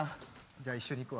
じゃあ一緒に行くわ。